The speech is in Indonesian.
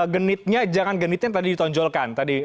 genitnya jangan genitnya